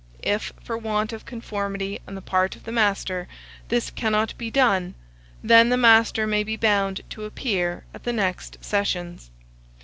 If, for want of conformity on the part of the master, this cannot be done, then the master may be bound to appear at the next sessions.